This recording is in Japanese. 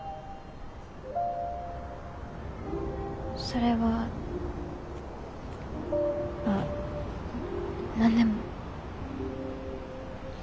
それはあ何でも。